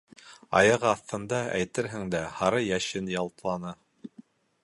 Аяғы аҫтында, әйтерһең дә, һары йәшен ялтланы.